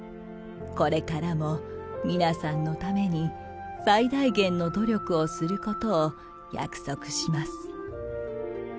これからも皆さんのために最大限の努力をすることを約束します。